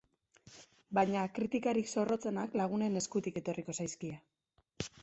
Baina kritikarik zorrotzenak lagunen eskutik etorriko zaizkie.